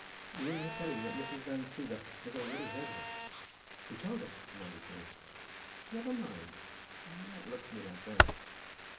You may tell him that Mrs. Van Siever has already heard of it." "Who told her?" demanded Johnny. "Never mind. You need not look at me like that.